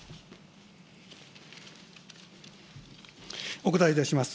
お答えいたします。